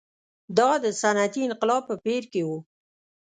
دا د صنعتي انقلاب په پېر کې و.